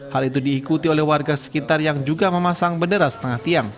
hal itu diikuti oleh warga sekitar yang juga memasang bendera setengah tiang